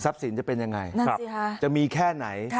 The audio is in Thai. สินจะเป็นยังไงจะมีแค่ไหน